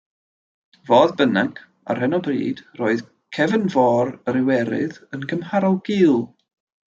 Fodd bynnag, ar hyn o bryd, roedd Cefnfor yr Iwerydd yn gymharol gul.